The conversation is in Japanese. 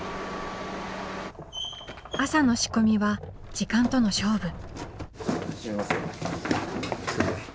朝の仕込みは時間との勝負。